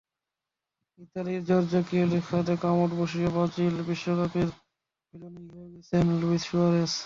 ইতালির জর্জো কিয়েলিনির কাঁধে কামড় বসিয়ে ব্রাজিল বিশ্বকাপের ভিলেনই হয়ে গেছেন লুইস সুয়ারেজ।